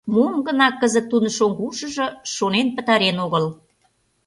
Мом гына кызыт тудын шоҥго ушыжо шонен пытарен огыл!